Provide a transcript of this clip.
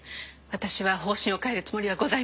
私は方針を変えるつもりはございません。